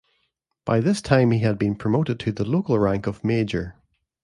By this time he had been promoted to the local rank of Major.